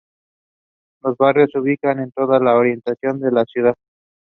Los barrios se ubican en toda la orientación de la ciudad.